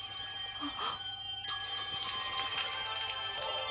あっ！